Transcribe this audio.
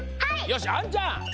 よしあんちゃん！